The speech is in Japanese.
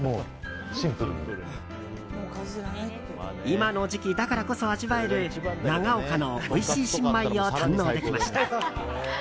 今の時期だからこそ味わえる長岡のおいしい新米を堪能できました。